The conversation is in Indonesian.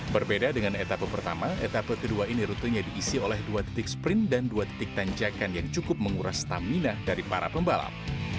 berbeda dengan etapa pertama etapa kedua ini rutenya diisi oleh dua titik sprint dan dua titik tanjakan yang cukup menguras stamina dari para pembalap